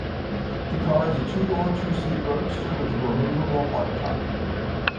The car is a two-door, two seat roadster with a removable hardtop.